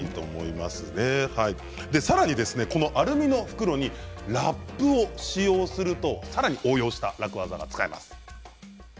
さらにこのアルミの袋にラップを使用するとさらに応用した楽ワザが使えます。